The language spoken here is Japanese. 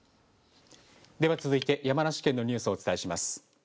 では続いて山梨県のニュースをお伝えします。